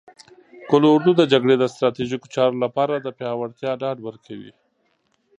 قول اردو د جګړې د ستراتیژیکو چارو لپاره د پیاوړتیا ډاډ ورکوي.